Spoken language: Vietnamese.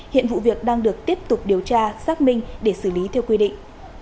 hiện vụ việc đang được tiếp tục điều tra xác minh để xử lý theo quy định